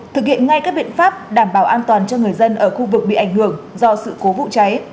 thực hiện ngay các biện pháp đảm bảo an toàn cho người dân ở khu vực bị ảnh hưởng do sự cố vụ cháy